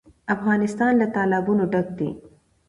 افغانستان له تالابونه ډک دی.